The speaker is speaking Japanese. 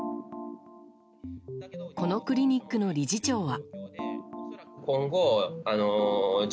このクリニックの理事長は。